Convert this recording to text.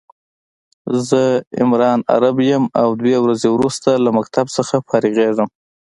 زه عمران عرب يم او دوه ورځي وروسته له مکتب څخه فارغيږم